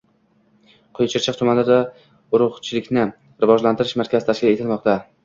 Quyi Chirchiq tumanida urug‘chilikni rivojlantirish markazi tashkil etilmoqda